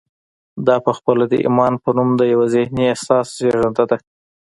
دا پخپله د ایمان په نوم د یوه ذهني احساس زېږنده ده